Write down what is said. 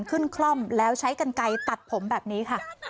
คล่อมแล้วใช้กันไกลตัดผมแบบนี้ค่ะ